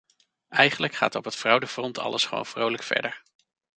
Eigenlijk gaat op het fraudefront alles gewoon vrolijk verder.